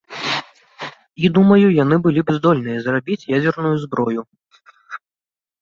І, думаю, яны былі б здольныя зрабіць ядзерную зброю.